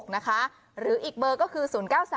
๐๖๓๙๒๖๔๒๖๖นะคะหรืออีกเบอร์ก็คือ๐๙๓๔๐๘๔๗๗๙